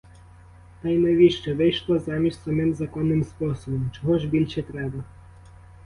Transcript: Та й навіщо: вийшла заміж самим законним способом, чого ж більше треба?